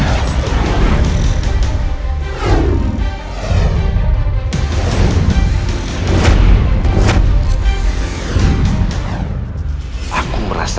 aku akan menangkapmu